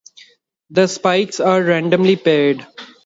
The spikes are randomly paired.